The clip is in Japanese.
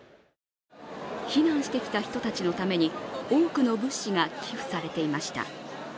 避難してきた人たちのために、多くの物資が寄付されていました。